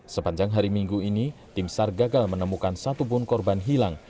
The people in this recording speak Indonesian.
sepanjang hari minggu ini tim sar gagal menemukan satupun korban hilang